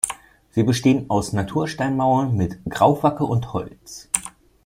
Sie besteht aus Natursteinmauern mit Grauwacke und Holz.